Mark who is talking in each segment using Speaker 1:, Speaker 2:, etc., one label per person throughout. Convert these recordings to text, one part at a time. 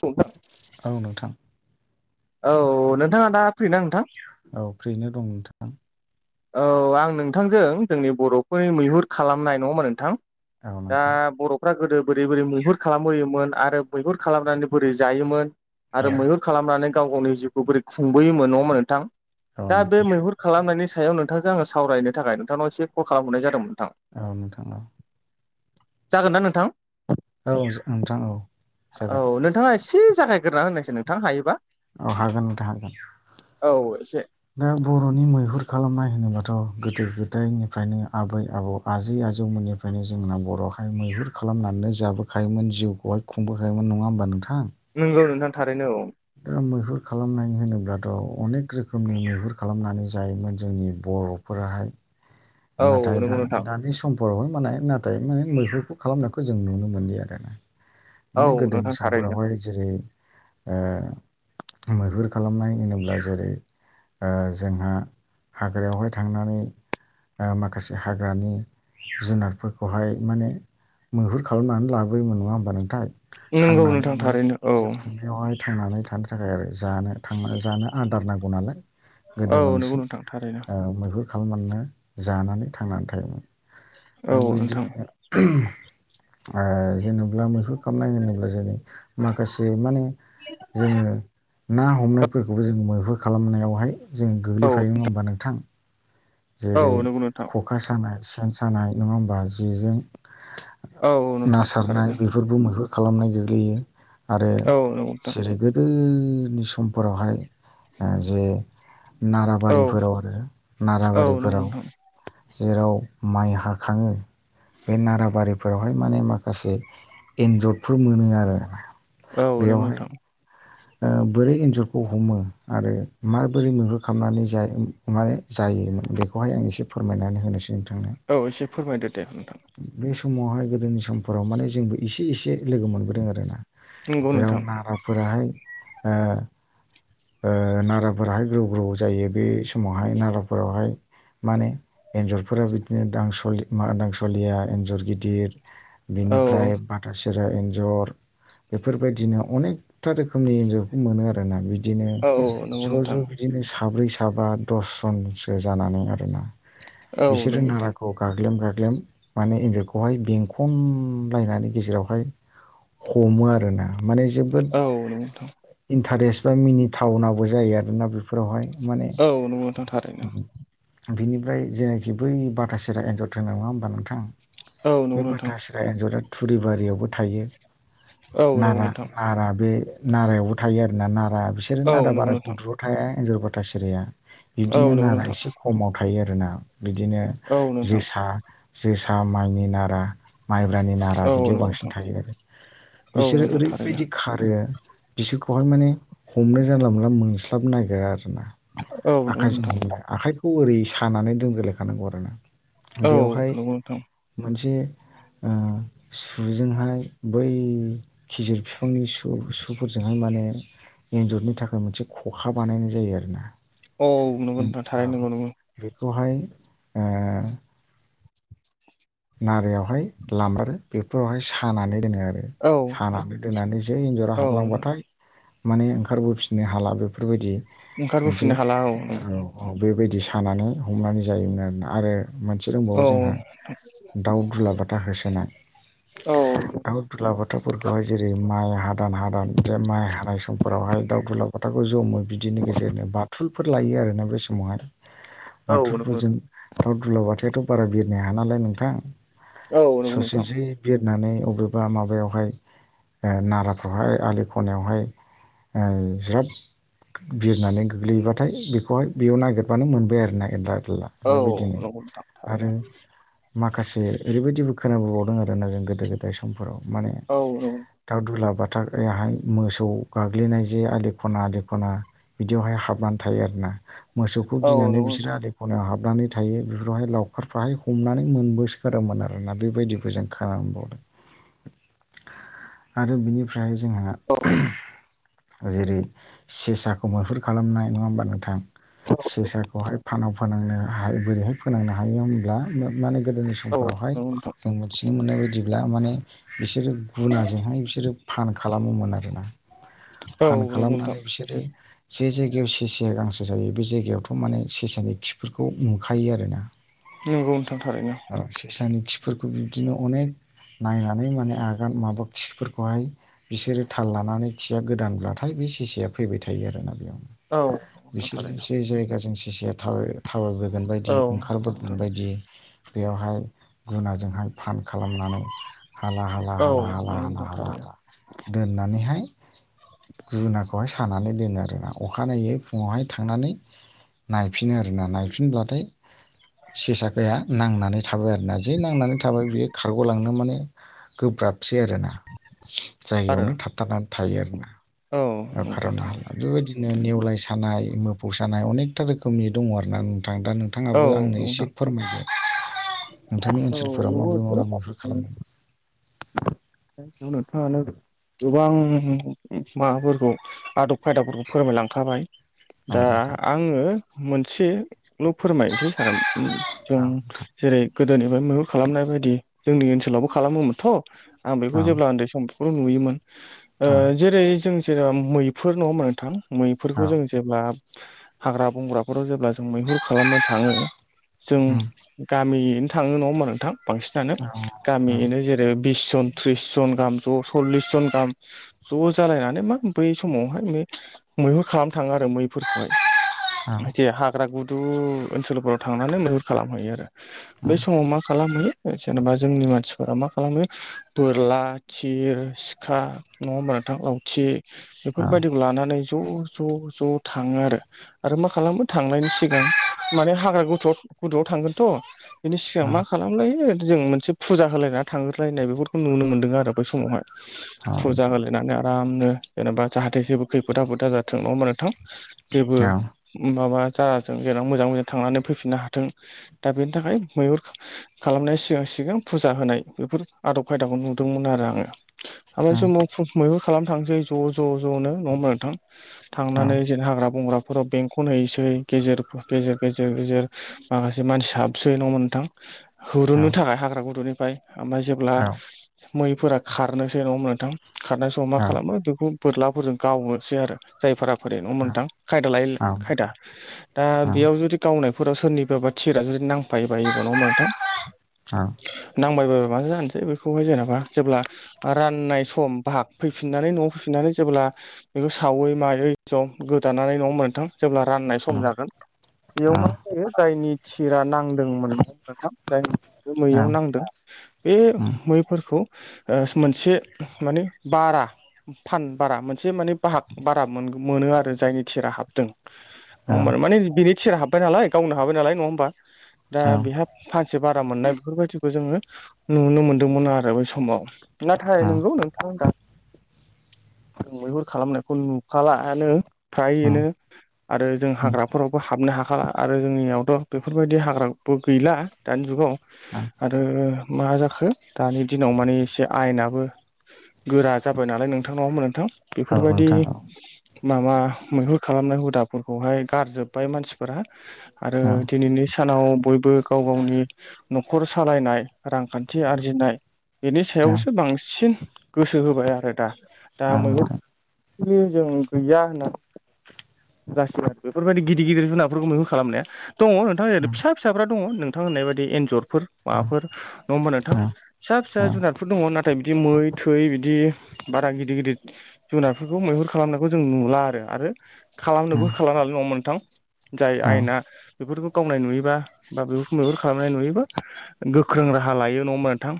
Speaker 1: औ नोंथां
Speaker 2: औ नोंथां
Speaker 1: औ नोंथाङा दा फ्रिना नोंथां
Speaker 2: औ फ्रिनो दं नोंथां
Speaker 1: औ आं नोंथांजों जोंनि बर'फोरनि मैहुर खालामनाय नङा होमबा नोंथां।
Speaker 2: औ
Speaker 1: दा
Speaker 2: नोंथां
Speaker 1: बर' फ्रा गोदो बोरै बोरै मैहुर खालामबोयोमोन आरो मैहुर खालामनानै बोरै जायोमोन आरो
Speaker 2: औ
Speaker 1: मैहुर खालामनानै गाव गावनि जिउखौ बोरै खुंबोयोमोन नङा होमबा नोंथां
Speaker 2: औ
Speaker 1: दा
Speaker 2: नोंथां
Speaker 1: बे मैहुर खालामनायनि सायाव नोंथांजों आङो सावरायनो थाखाय नोंथांनाव एसे कल खालामहरनाय जादों नोंथां।
Speaker 2: औ नोंथां औ
Speaker 1: जागोनना नोंथां
Speaker 2: औ नोंथां औ
Speaker 1: औ
Speaker 2: जागोन
Speaker 1: नोंथाङा एसे जागायग्रोना होनोसै नोंथां हायोबा
Speaker 2: अ हागोन नोंथां हागोन
Speaker 1: औ एसे
Speaker 2: दा बर'नि मैहुर खालामनाय होनोबाथ' गोदो गोदायनिफ्रायनो आबै आबौ आजै आजौमोननिफ्रायनो जोंना बर'हाय मैहुर खालामनानै जाबोखायोमोन जिउखौहाय खुंबोखायोमोन नङा होमबा नोंथां।
Speaker 1: अम अम नोंथां थारैनो औ
Speaker 2: दा मैहुर खालामनाय होनोब्लाथ' अनेक रोखोमनि मैहुर खालामनानै जायोमोन जोंनि बर'
Speaker 1: औ
Speaker 2: फोराहाय नाथाय
Speaker 1: नंगौ नोंथां
Speaker 2: दा-दानि सम बरावहाय माने नाथाय माने मैहुरखौ खालामनायखौ जों नुनो मोनलिया दाना
Speaker 1: औ
Speaker 2: माने गोदोनि
Speaker 1: नोंथां थारैनो
Speaker 2: समफोरावहाय जेरै मैहुर खालामनाय होनोब्ला जेरै ओ जोंहा हाग्रायावहाय थांनानै ओ माखासे हाग्रानि जुनारफोरखौहाय माने मैहुर खालामनानै लाबोयोमोन नङा होमबा नोंथाय
Speaker 1: नंगौ
Speaker 2: थांनानै
Speaker 1: नोंथां
Speaker 2: माने
Speaker 1: थारैनो औ।
Speaker 2: जिउ खुंनायावहाय थांनानै थानो थाखाय आरो जानो थां जानो आदार नांगौ नालाय गोदो
Speaker 1: औ नंगौ
Speaker 2: बांसिन
Speaker 1: नोंथां थारैनो
Speaker 2: ओ मैहुर खालामना जानानै थांनानै थायोमोन दा
Speaker 1: औ नोंथां
Speaker 2: बिदिनो जेनेबा मैहुर खालामनाय होनोब्ला जोंनि माखासे माने जोंङो ना हमनायफोरखौबो जों मैहुर खालामनायावहाय जोंङो
Speaker 1: औ
Speaker 2: गोग्लैफायो मोन नङा होमबा नोंथां। जेरै
Speaker 1: औ नंगौ नोंथां
Speaker 2: ख'खा सानाय सेन सानाय नङा होमबा जेजों
Speaker 1: औ
Speaker 2: ना
Speaker 1: नोंथां
Speaker 2: सारनाय
Speaker 1: थारैनो
Speaker 2: बेफोरबो मैहुर खालामनाय गोग्लैयो आरो
Speaker 1: औ नंगौ नोंथां
Speaker 2: जेरैबो गोदोनि समफोरावहाय जे
Speaker 1: औ
Speaker 2: नाराबारिफोराव आरो नाराबा
Speaker 1: औ नंगौ नोंथां
Speaker 2: जेराव माइ हाखांङो बे नाराबारिफोरावहाय माने माखासे एन्जतफोर मोनो आरो।
Speaker 1: औ नोंगौ
Speaker 2: बेयावहाय
Speaker 1: नोंथां।
Speaker 2: ओ बोरै एन्जरखौ हमो आरो माबोरै मैहुर खालामनानै जायो। मानो जायोमोन बेखौहाय आं एसे फोरमायनानै होनोसौ नोंथां।
Speaker 1: औ एसे फोरमायदो दे नोंथां।
Speaker 2: बे समावहाय गोदोनि समफोराव माने जोंबो एसे एसे लोगो मोनबोदों आरो ना
Speaker 1: नंगौ
Speaker 2: जेराव
Speaker 1: नोंथां
Speaker 2: नाराफोराहाय ओ ओ नाराफोराहाय ग्रौ ग्रौ जायो बे समावहाय नाराफोरावहाय माने एन्जरफोरा बिदिनो दांसलि मा दांसलिया एन्जर गिदिर
Speaker 1: औ
Speaker 2: बिनिफ्राय बाथा सिरा एन्जर बेफोरबायदिनो अनेकथा रो खोमनि एनजरखौ मोनो आरो ना बिदिनो
Speaker 1: औ औ नंगौ
Speaker 2: ज'
Speaker 1: नोंथां
Speaker 2: ज' बिदिनो साब्रै साबा दसजनसो जानानै आरोना
Speaker 1: औ नंगौ
Speaker 2: बिसोरजों नारा
Speaker 1: नोंथां
Speaker 2: अ गाग्लेम गाग्लेम माने एन्जरखौहाय बेंखमलायनानै गेजेरावहाय हमो आरोना माने जोबोद
Speaker 1: औ नंगौ नोंथां।
Speaker 2: इन्टारेस्ट बा मिनि टाउनाबो जायो आरोना बेफोरावहाय माने
Speaker 1: औ नंगौ नोंथां थारैनो
Speaker 2: बिनिफ्राय जेनाखि बै बाथा सेरा एन्जर होनो नङा होनोमबा नोंथां।
Speaker 1: औ
Speaker 2: बे
Speaker 1: नंगौ नोंथां
Speaker 2: माथासिरा एन्जरा थुरिबारियावबो थायो।
Speaker 1: औ नंगौ
Speaker 2: नारा
Speaker 1: नोंथां
Speaker 2: नारा बे नारायावबो थायो आरोना नारा बिसोरो
Speaker 1: औ
Speaker 2: नारा
Speaker 1: नंगौ
Speaker 2: बारा
Speaker 1: नोंथां
Speaker 2: गुद्रुाव थाया एन्जर बाथा सिरिया।
Speaker 1: औ
Speaker 2: बिबदिनो
Speaker 1: नंगौ
Speaker 2: नारा
Speaker 1: नोंथां
Speaker 2: एसे खमाव थायो आरोना बिदिनो
Speaker 1: औ नोंथां
Speaker 2: जोसा जोसा माइनि नारा। माइब्रानि नारा
Speaker 1: औ
Speaker 2: बिदियाव
Speaker 1: नंगौ
Speaker 2: बांसिन
Speaker 1: नोंथां
Speaker 2: थायो आरो
Speaker 1: औ
Speaker 2: बिसोरो
Speaker 1: नोंथां थारैनो
Speaker 2: ओरैबायदि खारो। बिसोरखौहाय माने हमनो जानला मोनला मोनस्लाब नागिरा आरो ना
Speaker 1: औ नंगौ
Speaker 2: आखाइजों
Speaker 1: नोंथां
Speaker 2: हमनो। आखाइखौ ओरै सानानै दोनग्रोलायखानांगौ आरो ना।
Speaker 1: औ
Speaker 2: बेवहाय
Speaker 1: नंगौ नोंथां
Speaker 2: मोनसे ओ सुजोंहाय बै खिजुर बिफांनि सु सु फोरजोंहाय माने एन्जरनि थाखाय मोनसे खखा बानायनाय जायो आरो ना।
Speaker 1: औ नंगौ नोंथां थारैनो नंगौ
Speaker 2: [unintelligible] बेखौहाय ओ नारायावहाय लामारो बेफोरावहाय सानानै दोनो आरो।
Speaker 1: नंगौ
Speaker 2: सानानै दोननानै जौ एन्जरा
Speaker 1: औ
Speaker 2: हाबलांबाथाय माने ओंखारबोफिननो हाला बेफोरबायदि मोनसे
Speaker 1: ओंखारबोफिननो हाला औ
Speaker 2: ओ औ। बेबायदि सानानै हमनानै जायोमोन आरोना आरो मोनसे दंबावो
Speaker 1: औ
Speaker 2: जोंहा दाउ दुलाबाथा होसोनाय।
Speaker 1: औ
Speaker 2: दाउ दुला बाथाफोरखौहाय जेरै माइ हादान हादान जे माइ हानाय समफोरावहाय दाउ दुला बाथाखौ जमो बिदिनो गेजेरनो बाथुलफोर लायो आरोना बे समावहाय।
Speaker 1: [inaudible]
Speaker 2: बाथुल फोरजों दाउ दुलबाथायाथ' बारा बिरनो हायानालाय नोंथां। ससे
Speaker 1: नोंथां
Speaker 2: जि बिरनानै अबेबा माबायावहाय ओ नाराफ्रावहाय आलि खनायावहाय ओ ज्राब बिरनानै गोग्लैहैबाथाय बेखौहाय बेयाव नागिरबानो मोनबाय आरो ना ए [unintelligible]
Speaker 1: औ
Speaker 2: बेबायदिनो
Speaker 1: नंगौ नोंथां थारैनो
Speaker 2: आरो माखासे ओरैबायदिबो खोनाबोबावदों आरोना जों गोदो गोदाय समफोराव माने
Speaker 1: औ नंगौ।
Speaker 2: दाउ दुलाबाथार हाय मोसौ गाग्लिनाय जे आलि खना आलि खना। बिदियावहाय हाबनानै थायो आरोना। मोसौखौ
Speaker 1: औ
Speaker 2: गिनानै
Speaker 1: नंगौ
Speaker 2: बिसोरो
Speaker 1: नोंथां
Speaker 2: आलि खना हाबनानै थायो बेफोरावहाय लावखारफ्राहाय हमनानै मोनबोसखारोमोन आरोना बेबायदिबो जों खालाम बावदों। आरो बिनिफ्राय जोंहा जेरै सेसाखौ मैहुर खालामनाय नङा होमबा नोंथां। सेसाखौहाय फानाव फोनांनो हाय बोरैहाय फोनांनो हायो होनोमब्ला माने गोदोनि सम
Speaker 1: औ
Speaker 2: समफोरावहाय
Speaker 1: नंगौ नोंथां
Speaker 2: जों मिथिनो मोननाय बायदिब्ला माने बिसोरो गुनाजों हाय बिसोरो फान खालामोमोन आरोना
Speaker 1: औ
Speaker 2: फान
Speaker 1: नंगौ नोंथां
Speaker 2: खालामनानै बिसोरो जे जायगायाव सेसेया गांसो जायो बे जायगायावथ' माने सेसानि खि बेफोरखौ नुखायो आरोना
Speaker 1: नंगौ नोंथां थारैनो
Speaker 2: सेसानि खिफोरखौ बिदिनो अनेक नायनानै माने आगान माबा खिफोरखौहाय बिसोरो थाल लानानै खिया गोदानब्लाथाय बे सिसेया फैबाय थायो आरोना बेयावनो
Speaker 1: औ नंगौ नोंथां
Speaker 2: बिसोरो
Speaker 1: थारैनो
Speaker 2: एसे जायगाजों जिसे थाव थावायबोगोन बायदि
Speaker 1: औ
Speaker 2: ओंखारबोगोन
Speaker 1: नोंथां
Speaker 2: बायदि बेयावहाय गुनाजोंहाय फान खालामनानै हाला हाला
Speaker 1: औ
Speaker 2: हाला हाला
Speaker 1: नंगौ
Speaker 2: हला
Speaker 1: नोंथां
Speaker 2: हाला
Speaker 1: थारैनो
Speaker 2: हाला दोननानैहाय
Speaker 1: [inaudible]
Speaker 2: गुनाखौहाय सानानै दोनो आरोना अखानायनायै फुङावहाय थांनानै नायफिनो आरो ना नायफिनब्लाथाय सेसाखाया नांनानै थाबाय आरोना जि नांनानै थाबाय बेयो खारग'लांनो माने गोब्राबसै आरोना
Speaker 1: आरो
Speaker 2: जायगायावनो थाब थाबथानानै थायो आरो ना
Speaker 1: औ नंगौ
Speaker 2: खार'नो
Speaker 1: नोंथां
Speaker 2: हाला बेबायदि नेवलाय सानाय मोफौ सानाय अनेकथा रोखोमनि दङ आरो ना नोंथां दा नों
Speaker 1: औ
Speaker 2: नोंथाङाबो आंनो
Speaker 1: नंगौ
Speaker 2: एसे
Speaker 1: नोंथां
Speaker 2: फोरमायदों नोंथांनि
Speaker 1: औ
Speaker 2: ओनसोलफोरा
Speaker 1: नंगौ
Speaker 2: माबोरै माबोरै माहुर
Speaker 1: नोंथां
Speaker 2: खालामोमोन
Speaker 1: [unintelligible] नोंथाङानो गोबां माबाफोरखौ आदब खायदाबफोरखौ फोरमायलांखाबाय
Speaker 2: औ
Speaker 1: दा
Speaker 2: नोंथां
Speaker 1: आङो मोनसेल' फोरमायनोसै सार जों
Speaker 2: औ नोंथां
Speaker 1: जेरै गोदोनिफ्राय मैहुर खालामनाय बायदि जोंनि ओनसोलावबो खालामोमोनथ' आं
Speaker 2: औ
Speaker 1: बेखौ जेब्ला उन्दै समफोरखौ नुयोमोन जेरै जों जेरब मैफोरुर नङा होमा नोंथां मैफोरखौ जों जेब्ला हाग्रा बंग्राफोराव जेब्ला जों मैहुर खालामनो थाङो जों गामियैनो थाङो नङा होमबा नोंथां बांसिनानो गामियैनो
Speaker 2: औ
Speaker 1: जेरै आरो बिस जन त्रिस जन गाहाम ज सल्लिस जन गाहाम ज' जालायनानै मा बै समावहाय मैहुर खालामनो थाङो आरो मैफोरखौहाय जे हाग्रा गुदु ओनसोलफोराव थांनानै मैहुर खालामहैयो आरो बे समाव मा खालामहैयो जेनेबा जोंनि मानसिफोरा मा खालामो बोरला थिर सिखा नङा होमबा नोंथां लावथि
Speaker 2: औ
Speaker 1: बेफोरबायदिखौ लानानै ज' ज' ज' थाङो आरो आरो मा खालामो थांनायनि सिगां माने हाग्रा गुदौआव थांगोनथ' बेनि सिगां
Speaker 2: औ
Speaker 1: मा खालामलायो जों मोनसे फुजा होलायना थांग्रोलायनाय बेफोरखौ नुनो मोन्दों आरो बै समावहाय
Speaker 2: औ
Speaker 1: फुजा होलायनानै आरामनो जेनेबा जाहाथे जेबो खैफोद आफोदा जाथों नङा होमबा नोंथां जेबो माबा जाजों जेराव मोजां मोजां थांनानै फैफिननो हाथों दा बेनि थाखाय मैहुर खालामनाया सिगां सिगां फुजा होनाय बेफोर आदब खायदाखौ नुदोंमोन आरो आङो बे समाव फु मैबो खालामनो थांसै ज' ज' ज'नो नङा मोन थां थांनानै जेन हाग्रा बंग्रा फोराव बेंखौन हैसै गेजेर गेजेर गेजेर गेजेर माखासे मानसि साबसोयै नङा नोंथां हुननो थाखाय हाग्रा गुदुंनिफ्राय ओमफ्राय जेब्ला मैफोरा खारनोसै नङा होनबा नोंथां खारनाय समाव मा खालामो बेखौ बोरलाफोरजों गावनोसै आरो जायफोराखर न' मोनथां खायदा लाय खायदा दा बेयाव जुदि गावनायफोराव सोरनिबा बा थिरा जुदि नांफायोबा एब नाव माथ'
Speaker 2: औ
Speaker 1: नांबायबाबो माथो जानोसै बेखौहाय जेनेबा जेब्ला राननाय सम बाहाग फैफिननानै न'आव फैफिननानै जेब्ला बेखौ सावै मायै ज' गोदानानै नङा होमबा नोंथां जेब्ला राननाय सम जागोन। बेयाव मा जायो जायनि थिरा नांदोंमोन मोनथाम जायनि बे मैयाव नांदों बे मैफोरखौ ओस मोनसे माने बारा फान बारा मोनसे माने बाहाग बारा मोनो आरो जायनि थिरा हाबदों। नङा होमबा माने बिनि थिरा हाब्बाय नालाय गावनो हाबाय नालाय नङा होमबा दा बेहा फानसे बारा मोननाय बेफोरबायदिखौ जोङो नुनो मोनदोंमोन आरो बै समाव। नाथाय नोंगौ नोंथां दा मैहुर खालामनायखौ नुखालायानो फ्रायैनो। आरो जों हाग्राफोरावबो हाबनो हाखाला आरो जोंनियावथ' बेफोरबायदि हाग्राबो गैला दानि जुगाव।
Speaker 2: [inaudible]
Speaker 1: आरो मा जाखो दानि दिनाव माने एसे आयेनाबो गोरा जाबाय नालाय नोंथां नङा होनबा नोंथां बेफोरबायदि माबा मैहुर खालामनाय हुदाफोरखौहाय गारजोब्बाय मानसिफोरा। आरो दिनैनि सानाव बयबो गाव गावनि न'खर सालायनाय‌ रांखान्थि आरजिनाय बेनि सायावसो बांसिन गोसो होबाय आरो दा। दा मैगं [unintelligible] जों गैया होनना गासैबो बेफोरबायदि गिदिर गिदिर जुनारफोरखौ मैहुर खालामनाया दङ [unintelligible] फिसा फिसाफ्रा दङ नोंथां होननाय बायदि एन्जरफोर माबाफोर नङा होमबा नोंथां। फिसा फिसा जुनादफोर दङ नाथाय बिदि मै थै बिदि बारा गिदिर गिदिर जुनारफोरखौ मैहुर खालामनायखौ जों नुला आरो आरो‌ खालामनोबो खालामनो हानाय नङा नोंथां जाय आयेना बेफोरखौ गावनाय नुयोबा बा बेफोरखौ बेफोर खालामनाय नुयोबा गो ख्रों राहा लायो नङा होनबा नोंथां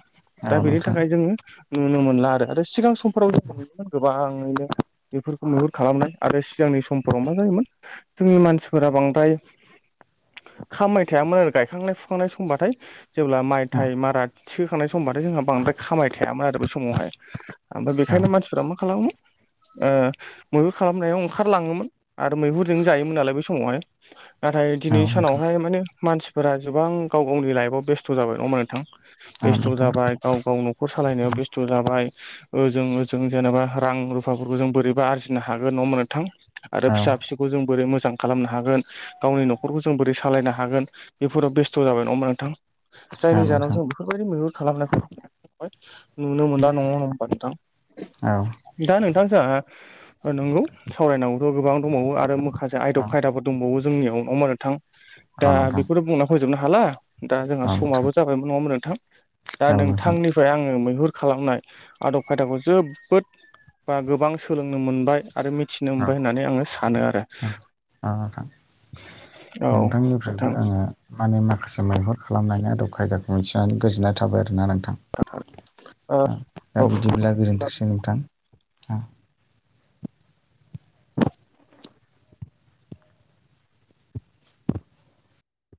Speaker 1: दा बेनि थाखाय जोङो नुनो मोनला आरो आरो सिगां समफोराव जोंङो गोबाङैनो बेफोरखौ मुहुर खालामनाय आरो सिगांनि समफोराव मा जायोमोन जोंनि मानसिफोरा बांद्राय खामबाय थायामोन गायखांनाय फुखांनाय समबाथाय जेब्ला माइ थाइ मारा थिखोखांनाय समबाथाय जोंहा बांद्राय खामबाय थायामोन आरो बेै समावहाय। आमफाय बेखायनो मानसिफोरा मा खालामो ओ मैहुर खालामनायाव ओंखारलाङोमोन आरो मैहुरजों जायोमोन नालाय बै समावहाय। नाथाय दिनै सानावहाय माने मानसिफोरा गोबां गाव गावनि लाइफआव बेस्थ' जाबाय नङा होमबा नों नोंथां बेस्थ' जाबाय गाव गाव न'खर सालायनायाव बेस्थ' जाबाय। ओजों ओजों जेनेबा रां रुफाफोरखौ जों बोरैबा आरजिनो हागोन न‌ङा‌ होमबा नोंथां। आरो फिसा फिसौखौ जों बोरै मोजां खालामनो हागोन गावनि न'खरखौ जों बोरै सालायनो हागोन बेफोराव बेस्थ' जाबाय नङा होनबा नोंथां। जायनि जाहोनाव जों बेफोरबायदि मैहुर खालामनायखौ नुनो मोनला नङा नङा होमबा नोंथां।
Speaker 2: औ
Speaker 1: दा नोंथां जोंहा नंगौ सावरायनांगौयाथ' गोबां दंबावो आरो माखासे आयदब खायदाफोर दंबावो जोंनियाव नङा होमबा नोंथां दा बेखौथ' बुंना फोजोबनो हाला दा जोंहा समाबो जाबायमोन नङामोन नोंथां दा नोंथांनि फ्राय आङो मैहुर खालामनाय आदब खायदाखौ जोबोद बा गोबां सोलोंनो मोनबाय आरो मिथिनो मोनबाय होननानै आङो सानो आरो।
Speaker 2: ओ नोंथां
Speaker 1: औ
Speaker 2: नोंथांनिफ्रायबो
Speaker 1: नोंथां
Speaker 2: आङो माने माखासे मैहुर खालामनानै आरो खायदाखौ मिथिनानै गोजोननाय थाबाय आरोना नोंथां।
Speaker 1: ओ
Speaker 2: दा बिदिब्ला गोजोन्थोंसै नोंथां।